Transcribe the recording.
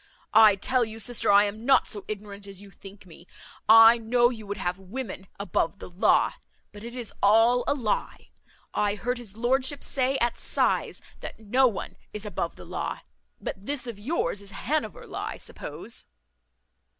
I tell you, sister, I am not so ignorant as you think me I know you would have women above the law, but it is all a lye; I heard his lordship say at size, that no one is above the law. But this of yours is Hanover law, I suppose."